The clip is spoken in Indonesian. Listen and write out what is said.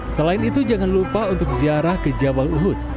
selain itu jangan lupa untuk ziarah ke jabal uhud